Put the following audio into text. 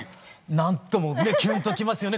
なんともねえキュンときますよね